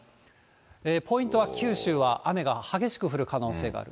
ポイントは九州は雨が激しく降る可能性がある。